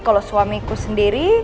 kalo suamiku sendiri